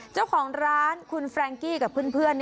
เจ้าของร้านคุณแฟรงกี้กับเพื่อนเนี่ยแหละค่ะ